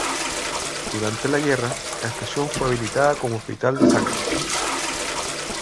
Durante la guerra, la estación fue habilitada como hospital de sangre.